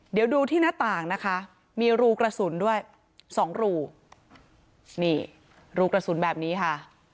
เดี๋ยวดูที่หน้าต่างนะคะมีรูกระสุนด้วยสองรูนี่รูกระสุนแบบนี้ค่ะ